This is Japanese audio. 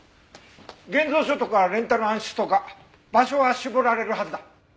現像所とかレンタル暗室とか場所は絞られるはずだ。